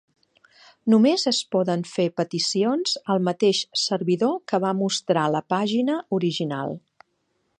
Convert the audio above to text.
Només es poden fer peticions al mateix servidor que va mostrar la pàgina original.